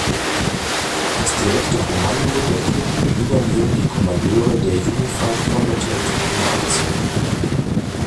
Das direkte Kommando der Truppen übernehmen die Kommandeure der Unified Combatant Commands.